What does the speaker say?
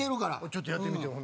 ちょっとやってみてよ